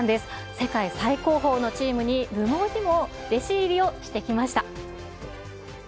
世界最高峰のチームに無謀にも弟子入りをしてきました。